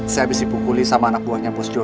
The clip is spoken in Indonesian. saya habis dipukuli sama anak buahnya bosdo